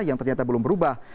yang ternyata belum berubah